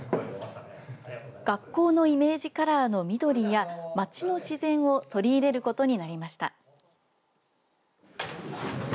学校のイメージカラーの緑や町の自然を取り入れることになりました。